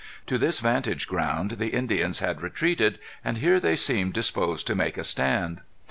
To this vantage ground the Indians had retreated, and here they seemed disposed to make a stand.